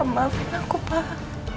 maafin aku pak